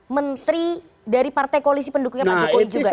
menteri dari partai koalisi pendukungnya pak jokowi juga